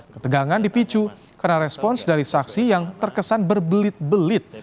ketegangan dipicu karena respons dari saksi yang terkesan berbelit belit